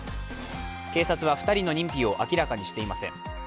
警察は２人の認否を明らかにしていません。